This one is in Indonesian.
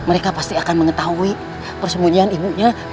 mereka pasti akan mengetahui persembunyian ibunya